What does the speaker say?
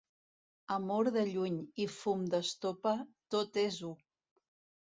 Amor de lluny i fum d'estopa, tot és u.